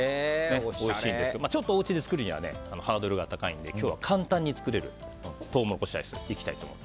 おいしいんですけどちょっとおうちで作るにはハードルが高いので今日は簡単に作れるトウモロコシアイスを。